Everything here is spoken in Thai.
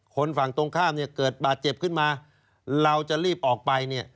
คนฝั่งตรงข้ามเกิดบาดเจ็บขึ้นมาเราจะรีบออกไป